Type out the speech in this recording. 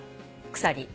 鎖。